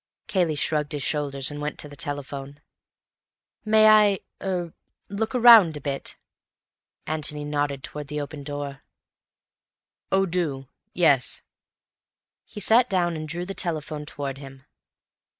Cayley shrugged his shoulders and went to the telephone. "May I—er—look round a bit?" Antony nodded towards the open door. "Oh, do. Yes." He sat down and drew the telephone towards him.